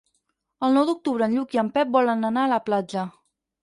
El nou d'octubre en Lluc i en Pep volen anar a la platja.